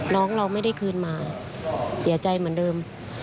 เราไม่ได้คืนมาเสียใจเหมือนเดิม